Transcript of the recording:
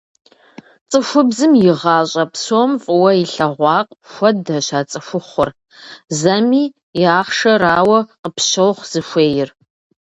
Цӏыхубзым игъащӏэ псом фӏыуэ илъэгъуа хуэдэщ а цӏыхухъур, зэми и ахъшэрауэ къыпщохъу зыхуейр.